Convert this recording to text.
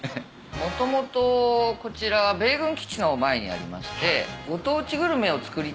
もともとこちら米軍基地の前にありまして。